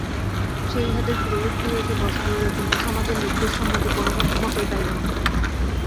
সে ইহাদের পুরোহিতদিগকে বশ করিল, কিন্তু সমাজের লোকদের সম্মতি কোনোমতেই পাইল না।